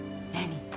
何？